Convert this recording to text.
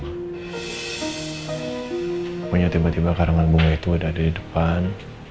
pokoknya tiba tiba karangan bunga itu ada di depan